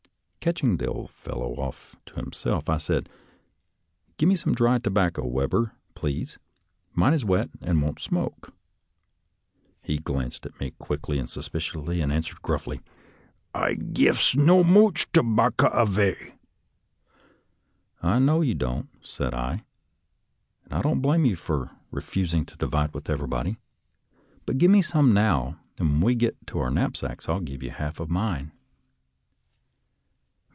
Catching the old fellow off to himself, I said, " Give me some dry tobacco, Webber, please; mine is wet and won't Sinoke." ' He glanced around at me quickly and suspiciously 94 SOLDIER'S LETTERS TO CHARMING NELLIE and answered gruffly, " I giffs not mooch tubacca avay." " I know you don't," said I, " and I don't blame you for refusing to divide with every body; but give me some now, and when we get to our knapsacks I'll give you half of mine."